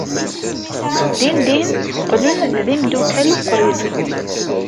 Dindin qqlen d imeddukal uqriben.